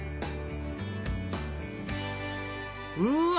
うわ！